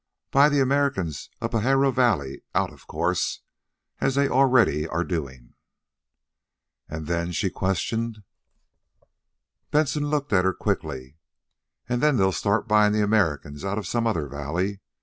"Buy the Americans of Pajaro Valley out, of course, as they are already doing." "And then?" she questioned. Benson looked at her quickly. "Then they'll start buying the Americans out of some other valley.